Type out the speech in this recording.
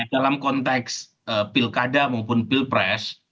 dalam konteks pilkada maupun pilpres